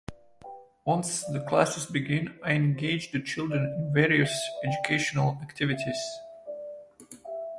Once the classes begin, I engage the children in various educational activities.